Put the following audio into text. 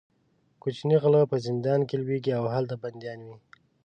کوچني غله په زندان کې لویېږي او هلته بندیان وي.